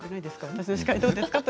私の司会どうですか？と。